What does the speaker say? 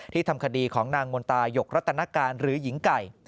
ทำคดีของนางมนตายกรัตนการหรือหญิงไก่